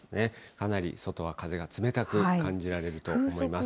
かなり外は風が冷たく感じられると思います。